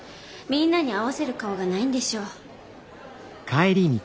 みんなに合わせる顔がないんでしょ。